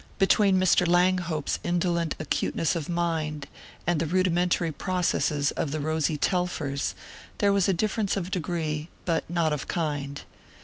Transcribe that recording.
Between Mr. Langhope's indolent acuteness of mind and the rudimentary processes of the rosy Telfers there was a difference of degree but not of kind.